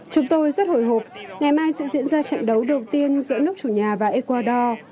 chúng tôi rất hồi hộp ngày mai sẽ diễn ra trận đấu đầu tiên giữa nước chủ nhà và ecuador